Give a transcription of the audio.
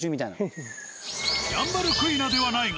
ヤンバルクイナではないが